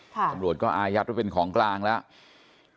ตำรวจก็อายัดไว้เป็นของกลางแล้ว